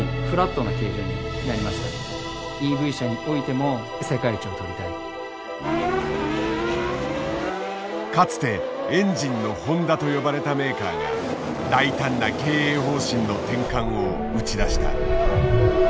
走らせていたのはかつて「エンジンのホンダ」と呼ばれたメーカーが大胆な経営方針の転換を打ち出した。